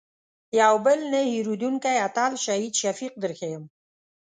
یو بل نه هېرېدونکی اتل شهید شفیق در ښیم.